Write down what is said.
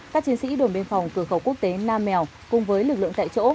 các chiến sĩ đồn biên phòng cửa khẩu quốc tế nam mèo cùng với lực lượng tại chỗ